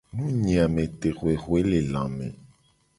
Nunyiametehuehuelelame.